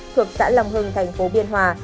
thuộc xã lòng hưng tp biên hòa